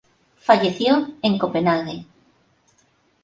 Falleció el en Copenhague.